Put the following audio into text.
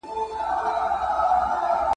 وئيل يې بس تسنيمه ! خوشبويۍ ترې راخوريږي !.